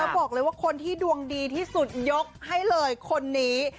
บอกเลยว่าคนที่ดวงดีที่สุดยกให้เลยคนนี้